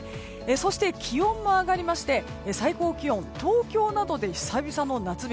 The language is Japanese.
そして、気温も上がりまして最高気温、東京などで久々の夏日。